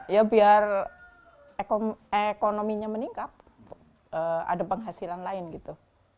ya biar ekonominya meningkat ada penghasilan lain gitu